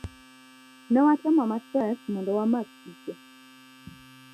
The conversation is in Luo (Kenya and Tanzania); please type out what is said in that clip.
Ne watemo matek mondo wamak piche